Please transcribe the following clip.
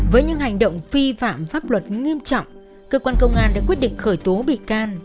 với những hành động phi phạm pháp luật nghiêm trọng cơ quan công an đã quyết định khởi tố bị can